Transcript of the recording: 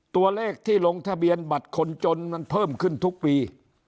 ตัวเลขที่ลงทะเบียนบัตรคนจนมันเพิ่มขึ้นทุกปี